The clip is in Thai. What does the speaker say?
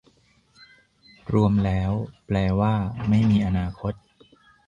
รวมแล้วแปลว่า ไม่มีอนาคต